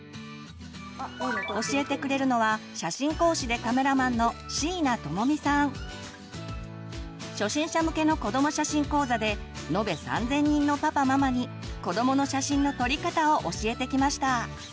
教えてくれるのは初心者向けの子ども写真講座で延べ３，０００人のパパママに子どもの写真の撮り方を教えてきました。